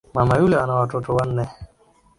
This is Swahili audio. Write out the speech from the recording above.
Mama yule ana watoto wanne